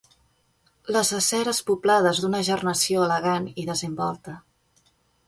Les aceres poblades d'una gernació elegant i desin volta